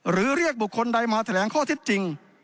หรือเรียกบุคคลใดมาแถลงข้อทิศจริง